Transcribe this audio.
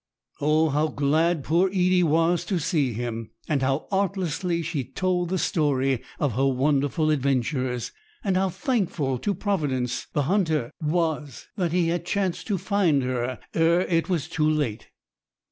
Oh, how glad poor Edie was to see him, and how artlessly she told the story of her wonderful adventures! And how thankful to Providence the hunter was that he had chanced to find her ere it was too late!